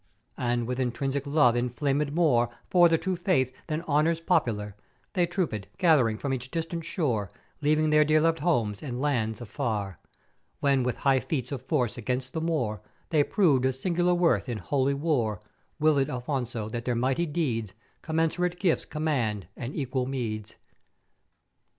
"And with intrinsic love inflamèd more for the True Faith, than honours popular, they troopèd, gath'ering from each distant shore, leaving their dear loved homes and lands afar. When with high feats of force against the Moor they proved of sing'ular worth in Holy War, willèd Afonso that their mighty deeds commens'urate gifts command and equal meeds.